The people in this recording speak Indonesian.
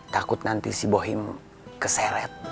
takut nanti si bohim keseret